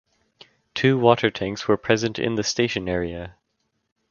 Two water tanks were present in the station area.